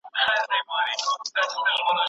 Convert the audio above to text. موږ باید د ښوونې او روزنې په برخه کي نوښت وکړو.